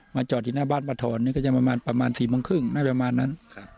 มาจอดที่หน้าบ้านพระถอนนี่ก็จะประมาณ๔บางครึ่งน่าจะประมาณนั้น